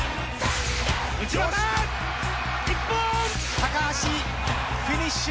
高橋フィニッシュ！